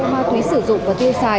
ma túy sử dụng và tiêu xài